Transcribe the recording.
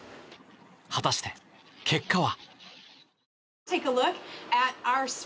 果たして、結果は。